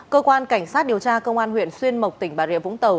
cơ quan cảnh sát điều tra công an huyện xuyên mộc tỉnh bà rịa vũng tàu